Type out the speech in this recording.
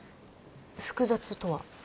複雑とは？